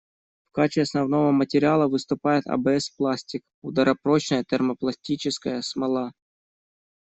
В качестве основного материала выступает АБС-пластик — ударопрочная термопластическая смола.